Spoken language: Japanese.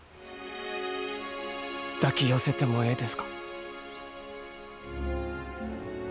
抱き寄せてもええですか？